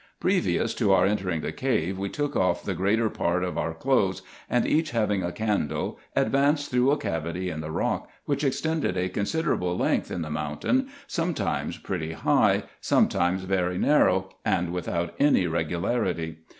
Previous to our entering the cave, we took off the greater part of our clothes, and, each having a candle, advanced through a cavity in the rock, which extended a considerable length in the mountain, sometimes pretty high, sometimes very narrow, and without any regularity.